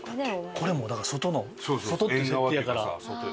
これもだから外の外っていう設定やから。